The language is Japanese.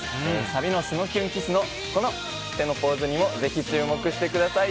サビのスノキュンｋｉｓｓのこの手のポーズにもぜひ注目してください。